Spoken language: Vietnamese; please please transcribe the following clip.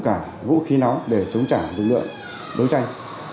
cả vũ khí nóng để chống trả lực lượng đấu tranh